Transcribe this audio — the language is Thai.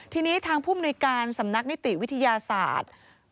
ทีนี้ทางผู้มนุยการสำนักนิติวิทยาศาสตร์